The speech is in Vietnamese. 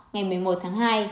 ngày một mươi một tháng hai